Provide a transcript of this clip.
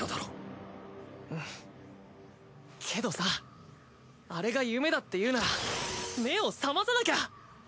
うんけどさあれが夢だっていうなら目を覚まさなきゃ。